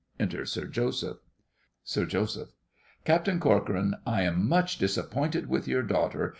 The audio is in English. Enter SIR JOSEPH SIR JOSEPH. Captain Corcoran, I am much disappointed with your daughter.